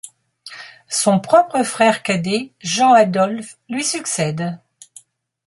Son propre frère cadet, Jean-Adolphe, lui succède.